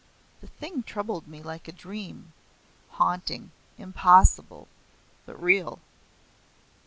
The thing troubled me like a dream, haunting, impossible, but real.